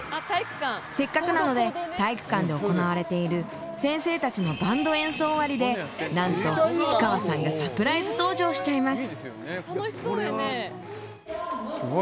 せっかくなので体育館で行われている先生たちのバンド演奏終わりでなんと氷川さんがサプライズ登場しちゃいます。